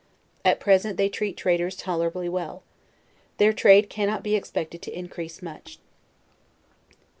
At present they treat traders tolerably well. Their trade cannot be expected to increase much.